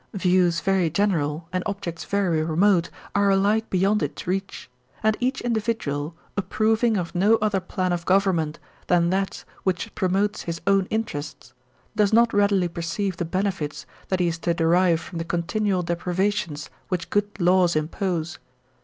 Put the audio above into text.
Views very general and objects very remote are alike beyond its reach; and each individual, approving of no other plan of gov ernment than that which promotes his own interests, does not readily perceive the benefits that he is to derive from the continual deprivations which good laws impose.